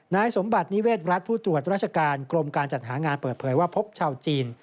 นายสมบัตินิเวศรัฐผู้ตรวจราชการกรมการจัดหางานเปิดเผยว่าพบชาวจีน